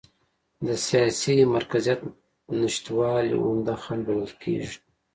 د سیاسي مرکزیت نشتوالی عمده خنډ بلل کېږي.